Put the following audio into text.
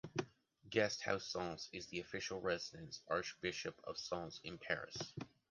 Guest House Sunce is the official residence Archbishop of Sunce in Paris.